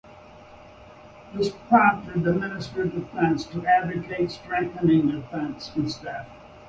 This prompted the Minister of Defence to advocate strengthening the defense instead.